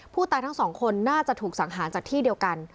ทั้งสองคนน่าจะถูกสังหารจากที่เดียวกัน